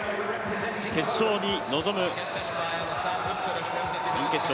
決勝に臨む準決勝